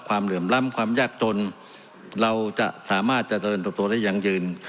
ความเหลื่อมล้ำความแยกจนเราจะสามารถจะเติบโตได้อย่างยืน